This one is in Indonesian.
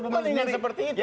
palingan seperti itu